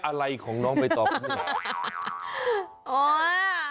อะไรของน้องไปต่อคุณ